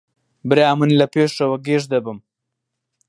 برا من لە پێشەوە گێژ دەبم